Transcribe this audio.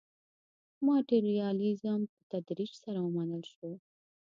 ماټریالیزم په تدریج سره ومنل شو.